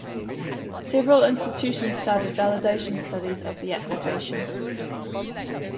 Several institutions started validation studies of the application.